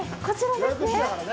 こちらですね！